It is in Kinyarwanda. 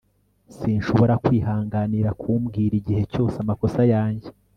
sinshobora kwihanganira kumbwira igihe cyose amakosa yanjye